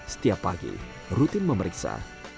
setiap pagi rutin memeriksa